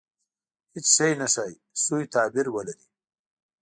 • هېڅ شی نه ښایي، سوء تعبیر ولري.